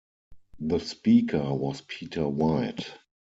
The Speaker was Peter White.